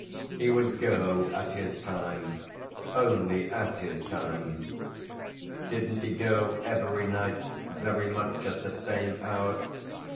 He would go at his time only at his time: didn't he go every night very much at the same hour?